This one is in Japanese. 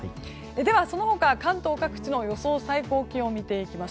ではその他関東各地の予想最高気温です。